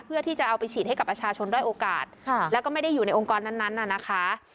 เพื่อที่จะเอาไปฉีดให้กับประชาชนด้อยโอกาสแล้วก็ไม่ได้อยู่ในองค์กรนั้นน่ะนะคะ